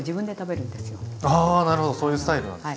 あなるほどそういうスタイルなんですね。